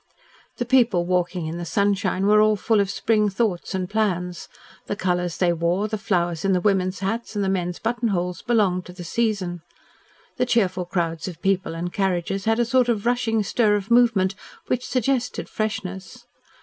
The people walking in the sunshine were all full of spring thoughts and plans. The colours they wore, the flowers in the women's hats and the men's buttonholes belonged to the season. The cheerful crowds of people and carriages had a sort of rushing stir of movement which suggested freshness.